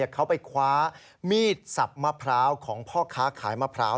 เขาไปคว้ามีดสับมะพร้าวของพ่อค้าขายมะพร้าว